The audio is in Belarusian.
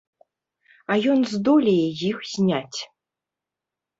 А ён здолее іх зняць!